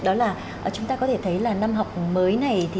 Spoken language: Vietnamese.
đó là chúng ta có thể thấy là năm học mới này